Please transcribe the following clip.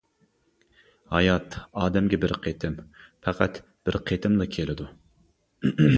ھايات ئادەمگە بىر قېتىم پەقەت بىر قېتىملا كېلىدۇ.